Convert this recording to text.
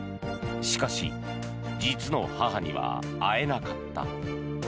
しかし実の母には会えなかった。